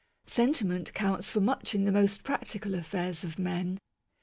Sentiment counts for much in the most practical affairs of men.